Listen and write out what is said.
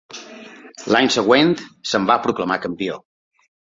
L'any següent se'n va proclamar campió.